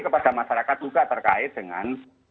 kepada masyarakat juga terkait dengan